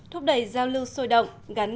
thúc đẩy giao lưu sôi động